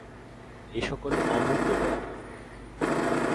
এ সকল অমূল্য রত্ন।